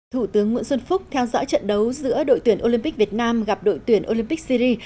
thủ tướng nguyễn xuân phúc theo dõi trận đấu giữa đội tuyển olympic việt nam gặp đội tuyển olympic syri